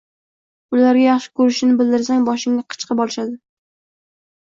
Ularga yaxshi ko`rishingni bildirsang boshingga chiqib olishadi